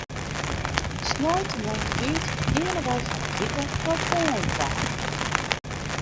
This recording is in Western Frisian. Sneintemoarn betiid geane wy foar in wike nei Poalen ta.